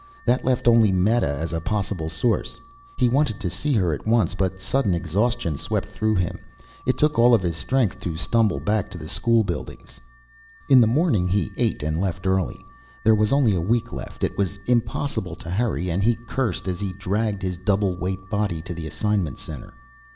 That left only Meta as a possible source. He wanted to see her at once, but sudden exhaustion swept through him. It took all of his strength to stumble back to the school buildings. In the morning he ate and left early. There was only a week left. It was impossible to hurry and he cursed as he dragged his double weight body to the assignment center.